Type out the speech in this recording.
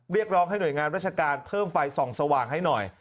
เรียกร้องให้หน่วยงานราชการเพิ่มไฟส่องสว่างให้หน่อย